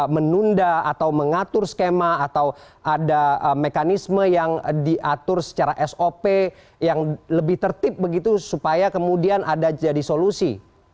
menunda atau mengatur skema atau ada mekanisme yang diatur secara sop yang lebih tertib begitu supaya kemudian ada jadi solusi